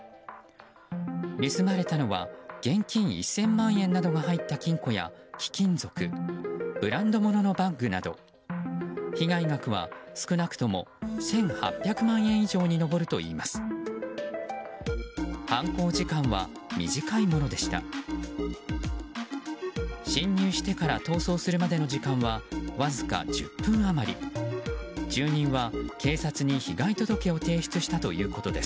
盗まれたのは現金１０００万円などが入った金庫や貴金属ブランド物のバッグなど被害額は少なくとも１８００万円以上に上るといいます。